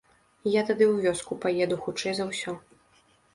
Я тады ў вёску паеду, хутчэй за ўсё.